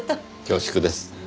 恐縮です。